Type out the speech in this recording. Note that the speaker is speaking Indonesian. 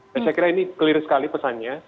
saya kira ini clear sekali pesannya